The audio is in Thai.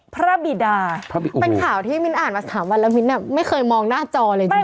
พระบิดาเป็นข่าวที่มิ้นอ่านมา๓วันแล้วมิ้นไม่เคยมองหน้าจอเลยจริง